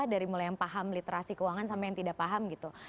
dari mulai yang paham literasi keuangan sampai yang tidak paham gitu